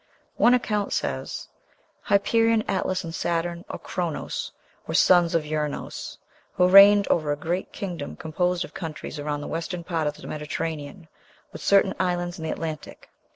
One account says: "Hyperion, Atlas, and Saturn, or Chronos, were sons of Uranos, who reigned over a great kingdom composed of countries around the western part of the Mediterranean, with certain islands in the Atlantic.